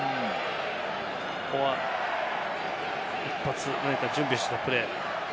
ここは一発、何か準備したプレー。